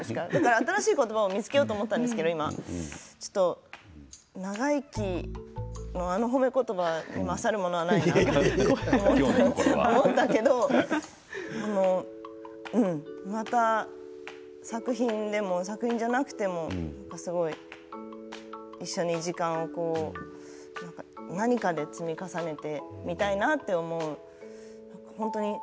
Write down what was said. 新しい言葉を見つけようと思ったんですけれど、今ちょっと長生きのあの褒め言葉に勝るものはないなって思うんだけどまた作品でも作品じゃなくても一緒に時間を何かで積み重ねてみたいなって思う